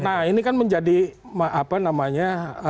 nah ini kan menjadi apa namanya